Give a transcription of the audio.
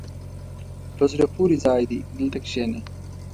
په زړه پورې ځای دی، دلته کښېنه.